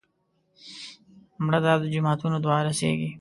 مړه ته د جوماتونو دعا رسېږي